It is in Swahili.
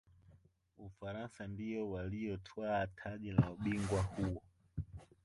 ufaransa ndiyo waliyotwaa taji la ubingwa huo